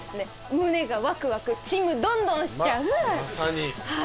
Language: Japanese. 胸がワクワクちむどんどんしちゃう！